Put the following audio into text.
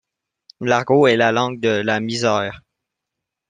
L’argot est la langue de la misère.